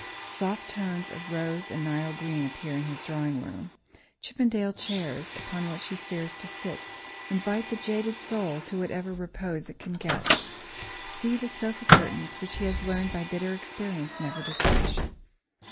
Soft tones of rose and Nile green appear in his drawing room. Chippendale chairs, upon which he fears to sit, invite the jaded soul to whatever repose it can get. See the sofa cushions, which he has learned by bitter experience never to touch!